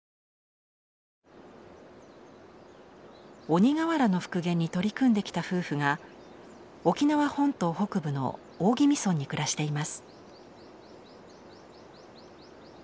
鬼瓦の復元に取り組んできた夫婦が沖縄本島北部の大宜味村に暮らしています。